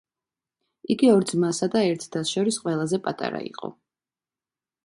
იგი ორ ძმასა და ერთ დას შორის ყველაზე პატარა იყო.